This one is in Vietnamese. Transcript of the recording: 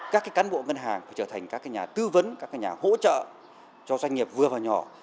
các cán bộ ngân hàng phải trở thành các nhà tư vấn các nhà hỗ trợ cho doanh nghiệp vừa và nhỏ